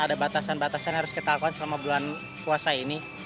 ada batasan batasan yang harus kita lakukan selama bulan puasa ini